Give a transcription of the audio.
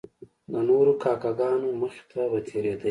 د نورو کاکه ګانو مخې ته به تیریدی.